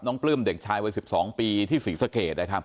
น้องปลื้มเด็กชายวัน๑๒ปีที่ศรีสเขต